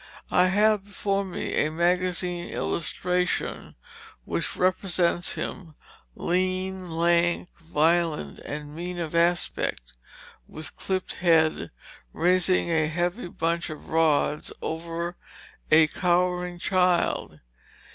I have before me a magazine illustration which represents him, lean, lank, violent, and mean of aspect, with clipped head, raising a heavy bunch of rods over a cowering child.